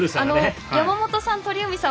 山本さん、鳥海さん